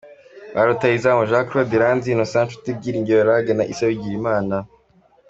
Ba rutahizamu: Jean Claude Iranzi, Innocent Nshuti, Byiringiro Lague na Issa Bigirimana.